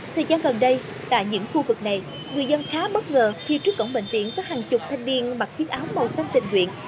thời gian gần đây tại những khu vực này người dân khá bất ngờ khi trước cổng bệnh viện có hàng chục thanh niên mặc quần áo màu xanh tình nguyện